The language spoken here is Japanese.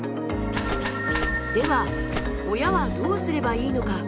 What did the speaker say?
では親はどうすればいいのか。